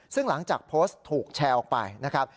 ซึ่งหลังจากโพสต์ถูกแชร์ออกไปนะครับ